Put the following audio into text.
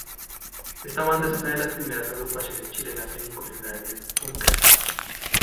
Esta banda es una de las primeras agrupaciones chilenas en incursionar en el funk.